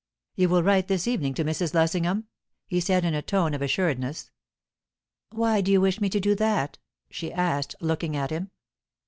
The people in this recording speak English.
"You will write this evening to Mrs. Lessingham?" he said, in a tone of assuredness. "Why do you wish me to do that?" she asked, looking at him.